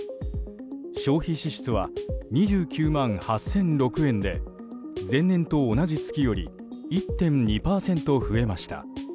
消費支出は２９万８００６円で前年と同じ月より１．２％増えました。